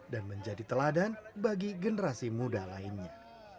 dan menjadi teladan bagi generasi muda lainnya